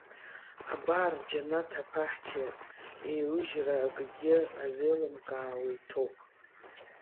Абар џьанаҭ абаҳча еиужьра акгьы азеилымкаауа иҭоуп.